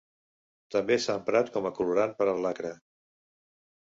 També s'ha emprat com a colorant per al lacre.